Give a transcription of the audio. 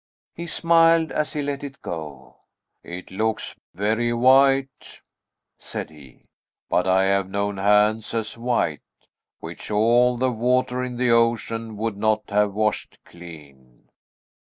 He smiled as he let it go. "It looks very white," said he; "but I have known hands as white, which all the water in the ocean would not have washed clean."